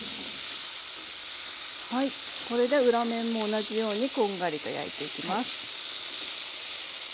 はいこれで裏面も同じようにこんがりと焼いていきます。